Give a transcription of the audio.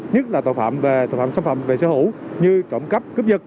nhất là tội phạm về sản phẩm về sở hữu như trộm cắp cướp dựt